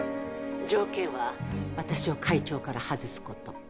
条件は私を会長から外すこと。